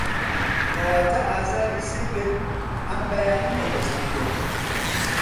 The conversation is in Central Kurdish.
کەواته ئازاری سنگت ئەم بەیانیه دستی پێکرد